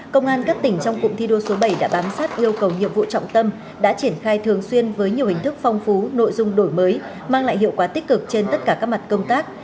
công an các tỉnh trong cụm thi đua số bảy đã bám sát yêu cầu nhiệm vụ trọng tâm đã triển khai thường xuyên với nhiều hình thức phong phú nội dung đổi mới mang lại hiệu quả tích cực trên tất cả các mặt công tác